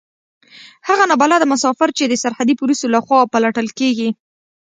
هغه نا بلده مسافر چې د سرحدي پوليسو له خوا پلټل کېږي.